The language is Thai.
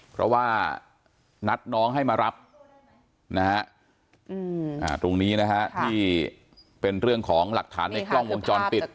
เพราะว่านัดน้องให้มารับนะฮะตรงนี้นะฮะที่เป็นเรื่องของหลักฐานในกล้องวงจรปิด